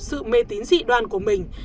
sự mê tín dị đoan của mình